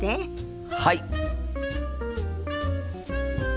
はい！